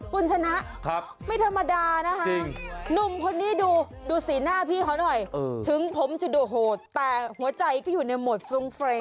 คุณชนะไม่ธรรมดานะคะหนุ่มคนนี้ดูสีหน้าพี่เขาหน่อยถึงผมจะดูโหดแต่หัวใจก็อยู่ในโหมดฟรุงเฟรน